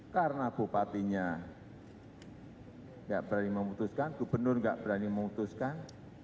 karena bupatinya enggak berani memutuskan gubernur enggak berani memutuskan